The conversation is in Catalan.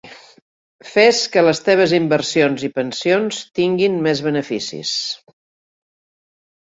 Fes que les teves inversions i pensions tinguin més beneficis.